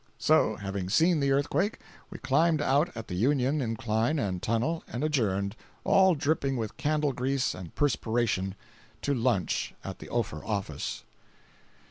So, having seen the earthquake, we climbed out at the Union incline and tunnel, and adjourned, all dripping with candle grease and perspiration, to lunch at the Ophir office.